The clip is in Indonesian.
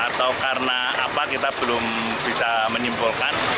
atau karena apa kita belum bisa menyimpulkan